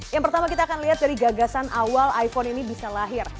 yang pertama kita akan lihat dari gagasan awal iphone ini bisa lahir